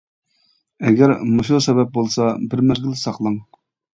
ئەگەر مۇشۇ سەۋەب بولسا بىر مەزگىل ساقلاڭ.